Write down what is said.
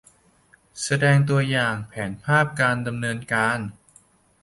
แสดงตัวอย่างแผนภาพการดำเนินการ